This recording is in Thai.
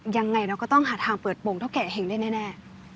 ยังไงเราก็ต้องหาทางเปิดโปรงเท่าแก่เห็งได้แน่